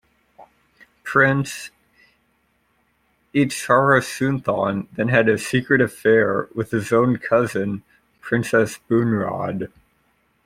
Prince Itsarasunthon then had a secret affair with his own cousin, Princess Bunrod.